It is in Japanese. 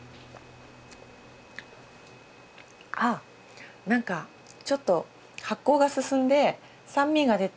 あ何かちょっと発酵が進んで酸味が出て。